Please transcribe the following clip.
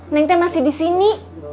neng teh masih disini